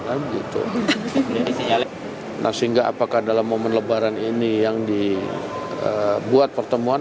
nah sehingga apakah dalam momen lebaran ini yang dibuat pertemuan